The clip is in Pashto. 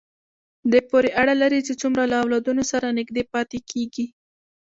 دې پورې اړه لري چې څومره له اولادونو سره نږدې پاتې کېږي.